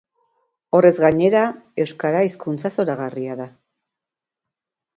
Horrez gainera, euskara hizkuntza zoragarria da.